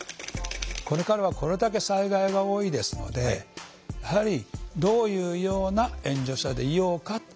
これからはこれだけ災害が多いですのでやはりどういうような援助者でいようか。